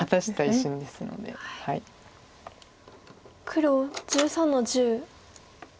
黒１３の十。